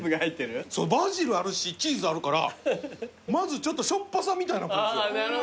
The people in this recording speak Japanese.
バジルあるしチーズあるからまずちょっとしょっぱさみたいのくるんですよ